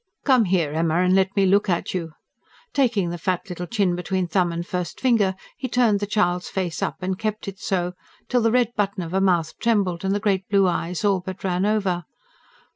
"Come here, Emma, and let me look at you." Taking the fat little chin between thumb and first finger, he turned the child's face up and kept it so, till the red button of a mouth trembled, and the great blue eyes all but ran over.